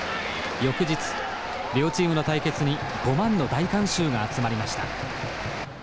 翌日両チームの対決に５万の大観衆が集まりました。